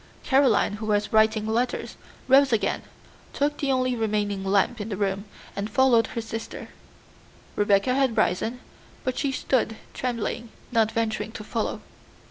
Caroline, who was writing letters, rose again, took the only remaining lamp in the room, and followed her sister. Rebecca had risen, but she stood trembling, not venturing to follow.